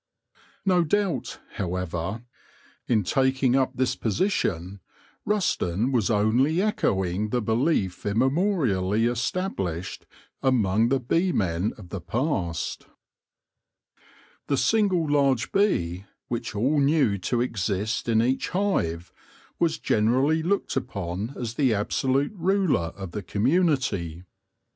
No doubt, however, in taking up this position, Rusden was only echoing the belief immemorially established among the beemen of the past. The single large bee, which all knew to exist in each BEE MASTERS IN THE MIDDLE AGES 23 hive, was generally looked upon as the absolute ruler of the community.